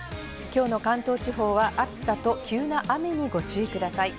今日の関東地方は暑さと急な雨にご注意ください。